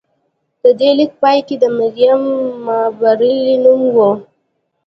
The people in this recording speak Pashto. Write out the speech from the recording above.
د دې لیک په پای کې د مریم مابرلي نوم و